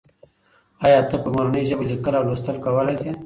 آیا ته په مورنۍ ژبه لیکل او لوستل کولای سې؟